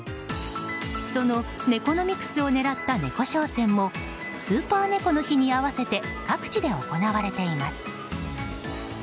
そのネコノミクスを狙った猫商戦もスーパー猫の日に合わせて各地で行われています。